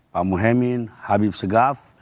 pak muhyemin habib segaf